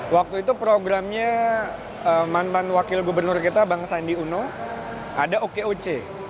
waktu itu programnya mantan wakil gubernur kita bang sandi uno ada okoc